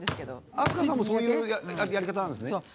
明日香さんもそういうやり方なんですね。